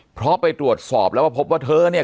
เพราะไปตรวจสอบแล้วว่าพบว่าเธอเนี่ย